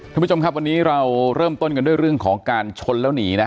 ท่านผู้ชมครับวันนี้เราเริ่มต้นกันด้วยเรื่องของการชนแล้วหนีนะ